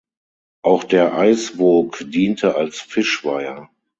Auch der Eiswoog diente als Fischweiher.